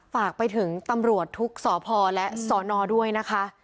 ฝากไปถึงตำรวจทุกสพและสนด้วยนะคะ